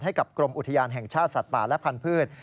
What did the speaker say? ให้กับกรมอุทยานแห่งชาติสัตว์ป่าและพันธุ์